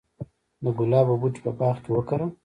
د ګلابو بوټي په باغ کې وکرم؟